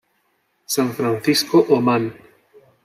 San Francisco o Man.